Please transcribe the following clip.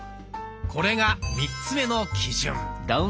これが３つ目の基準。